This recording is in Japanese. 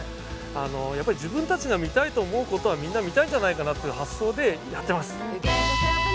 やっぱり自分たちが見たいと思うことはみんな見たいんじゃないかなっていう発想でやってます。